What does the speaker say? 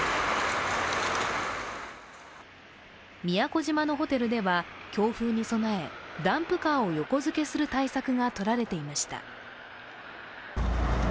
宮古島のホテルでは強風に備えダンプカーを横づけする対策がとられていました。